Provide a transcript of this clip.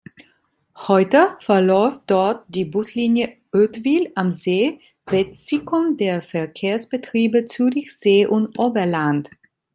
Heute verläuft dort die Buslinie Oetwil am See-Wetzikon der Verkehrsbetriebe Zürichsee und Oberland.